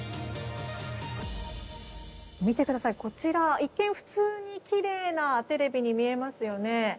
見てください、こちら一見、普通にきれいなテレビに見えますよね。